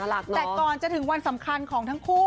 แต่ก่อนจะถึงวันสำคัญของทั้งคู่